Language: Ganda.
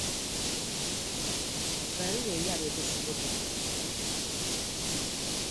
Ebbaluwa eri abeepisikoopi bwe yagambye.